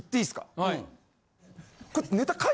はい。